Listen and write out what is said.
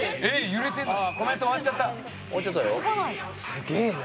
「すげえな」